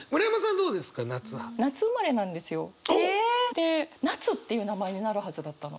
で「なつ」っていう名前になるはずだったの。